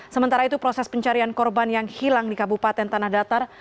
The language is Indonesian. sementara itu proses pencarian korban yang hilang di kabupaten tanah datar